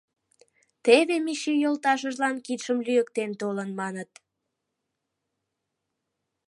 Теве Мичи йолташыжлан кидшым лӱйыктен толын маныт.